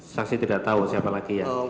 saksi tidak tahu siapa lagi ya